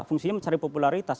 fungsinya mencari popularitas